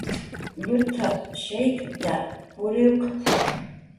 "Llutap"" shaykta puriwq""t""a "